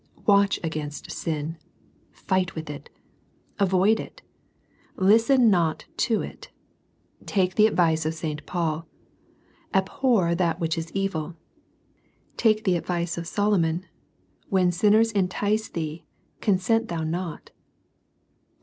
Watch against sin. Fight with it. Avoid it. Listen not to it. Take the advice of St. Paul : "Abhor that which is evil." Take the advice of Solomon :" When sinners entice thee, con sent thou not."